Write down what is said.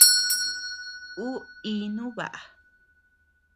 Uu íinu baʼa.